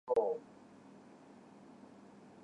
高橋海人